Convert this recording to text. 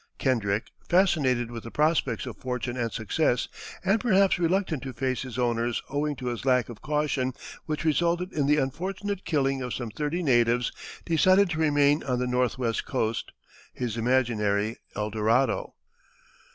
Kendrick, fascinated with the prospects of fortune and success, and perhaps reluctant to face his owners owing to his lack of caution which resulted in the unfortunate killing of some thirty natives, decided to remain on the northwest coast, his imaginary Eldorado.